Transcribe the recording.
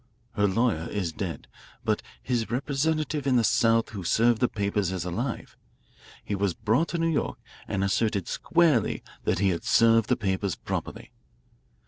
Her lawyer is dead, but his representative in the South who served the papers is alive. He was brought to New York and asserted squarely that he had served the papers properly.